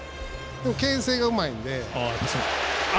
でも、けん制がうまいので。